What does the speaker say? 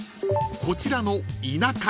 ［こちらの］